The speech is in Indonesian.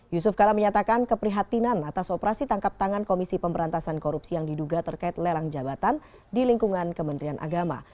yusuf kala menyatakan keprihatinan atas operasi tangkap tangan komisi pemberantasan korupsi yang diduga terkait lelang jabatan di lingkungan kementerian agama